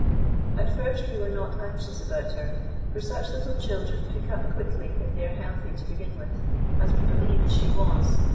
At first we were not anxious about her; for such little children pick up quickly if they are healthy to begin with, as we believed she was.